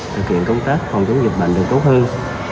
thực hiện công tác phòng chống dịch bệnh được tốt hơn